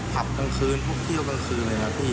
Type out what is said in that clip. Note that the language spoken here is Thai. ภรรพ์กลางคืนตัวเที่ยวกลางคืนเลยนะพี่